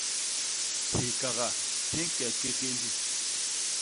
Hikaga hi ñke kékéndi.